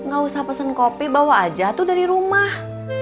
gak usah pesen kopi bawa aja tuh dari rumah